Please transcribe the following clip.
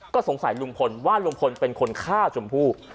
ก็สงสัยลุงพลว่าลุงพลเป็นคนฆ่าชมพู่